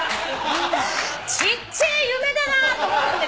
ちっちぇえ夢だなと思ったんだけど。